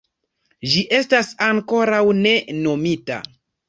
Ĝi estas ankoraŭ ne nomita.